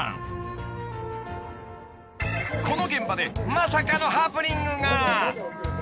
［この現場でまさかのハプニングが］